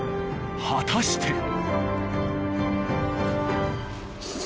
果たして。